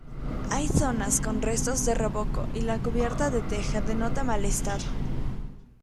Hay zonas con restos de revoco y la cubierta de teja denota mal estado.